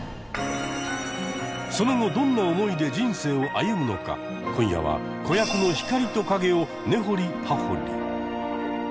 その後どんな思いで人生を歩むのか今夜は子役の光と影をねほりはほり！